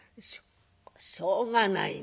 「しょうがないな